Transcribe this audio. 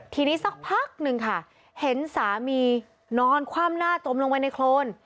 ทีนี้สักพักหนึ่งค่ะเห็นสามีนอนคว่ำหน้าจมลงไปในโครน